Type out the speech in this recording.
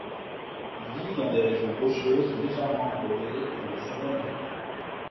Il vit dans des régions rocheuses légèrement arborées et dans la savane aride.